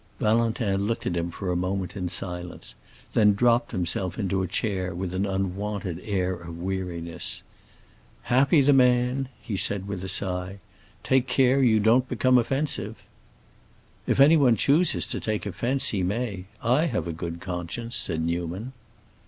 Valentin looked at him a moment in silence and then dropped himself into a chair with an unwonted air of weariness. "Happy man!" he said with a sigh. "Take care you don't become offensive." "If anyone chooses to take offense, he may. I have a good conscience," said Newman.